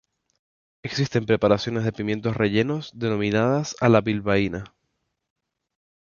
Existen preparaciones de pimientos rellenos denominadas a la bilbaína.